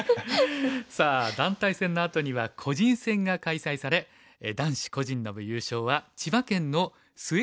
さあ団体戦のあとには個人戦が開催され男子個人の部優勝は千葉県の末原蓮さん。